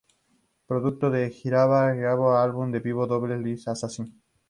Producto de esta gira se grabó el álbum en vivo "Double Live Assassins".